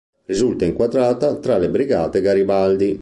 Risulta inquadrata tra le Brigate Garibaldi.